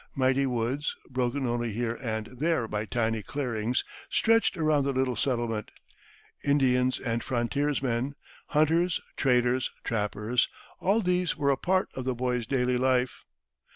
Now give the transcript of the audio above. Mighty woods, broken only here and there by tiny clearings, stretched around the little settlement; Indians and frontiersmen, hunters, traders, trappers all these were a part of the boy's daily life.